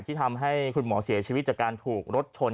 ที่ทำให้คุณหมอเสียชีวิตจากการถูกรถชน